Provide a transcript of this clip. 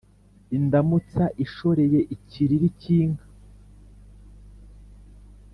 indamutsa ishoreye ikiriri cy' inka